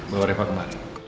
bawa reva kemarin